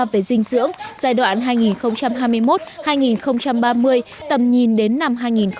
về dinh dưỡng giai đoạn hai nghìn hai mươi một hai nghìn ba mươi tầm nhìn đến năm hai nghìn năm mươi